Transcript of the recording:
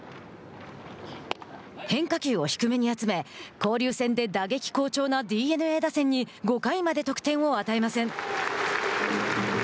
変化球を低めに集め交流戦で打撃好調なＤｅＮＡ打線に５回まで得点を与えません。